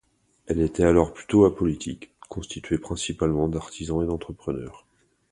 Elle était alors plutôt apolitique, constituée principalement d'artisans et d'entrepreneurs.